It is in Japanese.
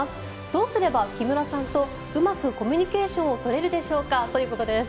どうすれば木村さんとうまくコミュニケーションを取れるでしょうか？ということです。